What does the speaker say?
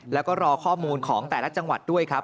แล้วก็รอข้อมูลของแต่ละจังหวัดด้วยครับ